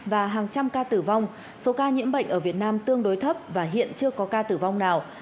và hàng trăm ca tử vong số ca nhiễm bệnh ở việt nam tương đối thấp và hiện chưa có ca tử vong nào